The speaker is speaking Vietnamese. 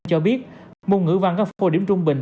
cho biết môn ngữ văn có phổ điểm trung bình